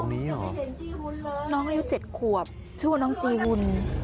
น้องเขายังเจ็ดขวบชื่อน้องเจวุล